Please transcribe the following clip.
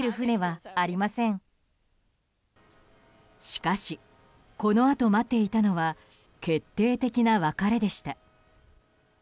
しかしこのあと待っていたのは決定的な別れでした。